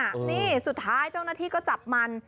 นี่สุดท้ายเจ้าหน้าที่ก็จับมัน